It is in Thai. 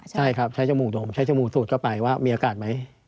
ใช่ครับใช้จมูกใช้จมูกสูดเข้าไปว่ามีอากาศไหม